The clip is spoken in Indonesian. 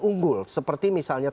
unggul seperti misalnya